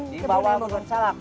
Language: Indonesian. di bawah bogor salam